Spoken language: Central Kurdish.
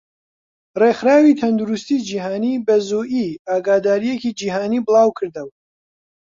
ڕێخراوی تەندروستی جیهانی بەزوویی ئاگاداریەکی جیهانی بڵاوکردەوە.